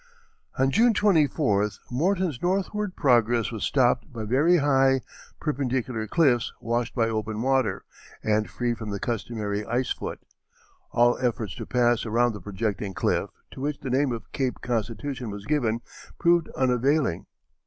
On June 24th Morton's northward progress was stopped by very high, perpendicular cliffs washed by open water and free from the customary ice foot. All efforts to pass around the projecting cliff, to which the name of Cape Constitution was given, proved unavailing.